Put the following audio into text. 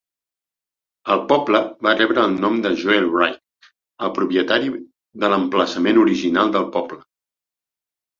El poble va rebre el nom de Joel Wright, el propietari de l'emplaçament original del poble.